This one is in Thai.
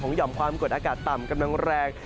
หย่อมความกดอากาศต่ำกำลังแรง